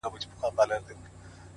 • خوشحال په دې يم چي ذهين نه سمه ـ